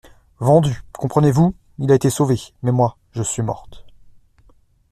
Vendus ! comprenez-vous ? il a été sauvé ! Mais, moi, je suis morte.